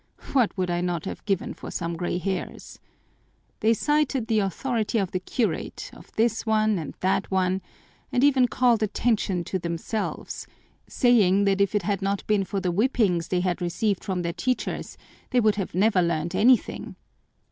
What would I not have given for some gray hairs! They cited the authority of the curate, of this one and that one, and even called attention to themselves, saying that if it had not been for the whippings they had received from their teachers they would never have learned anything.